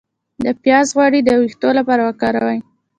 د پیاز غوړي د ویښتو لپاره وکاروئ